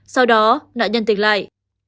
sau đó nạn nhân tỉnh lại